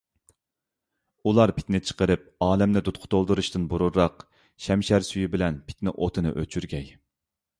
ئۇلار پىتنە چىقىرىپ ئالەمنى دۇتقا تولدۇرۇشتىن بۇرۇنراق شەمشەر سۈيى بىلەن پىتنە ئوتىنى ئۆچۈرگەي.